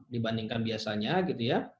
dibandingkan biasanya gitu ya